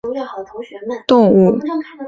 三斑花蟹蛛为蟹蛛科花蟹蛛属的动物。